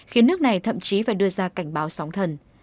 khiến nước này thậm chí phải đưa ra cảnh báo sóng thần